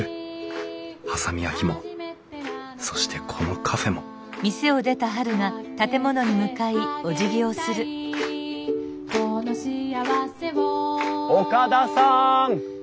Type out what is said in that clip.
波佐見焼もそしてこのカフェも岡田さん！